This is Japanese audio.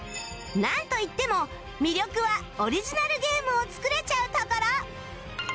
なんといっても魅力はオリジナルゲームを作れちゃうところ